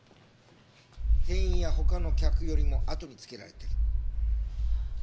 店員や他の客よりも後に付けられてる。